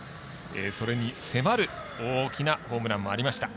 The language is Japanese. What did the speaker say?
それに迫る大きなホームランもありました。